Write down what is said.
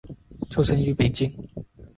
出生于北京。